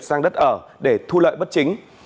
sang đất ở để thu lợi bất chính